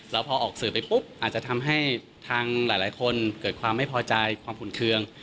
แล้วพอออกสื่อไปปุ๊บอาจจะทำให้ทางหลายคนเกิดความไม่พอใจความขุ่นเครื่อง